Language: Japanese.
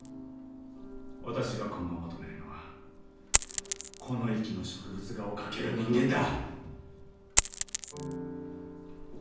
私が今後求めるのはこの域の植物画を描ける人間だ！